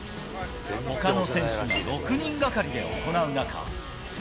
ほかの選手が６人がかりで行う中。